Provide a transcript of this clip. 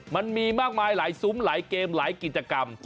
มันมีมากมายหลายซุ้มหลายเกมหลายกิจกรรม